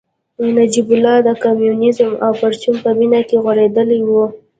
نجیب الله د کمونیزم او پرچم په مینه کې غولېدلی و